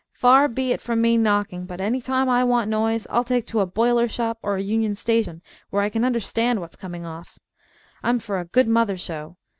Far be it from me knocking, but any time I want noise I'll take to a boiler shop or a Union Station, where I can understand what's coming off. I'm for a good mother show.